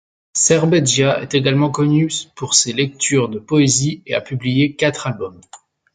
Šerbedžija est également connu pour ses lectures de poésie et a publié quatre albums.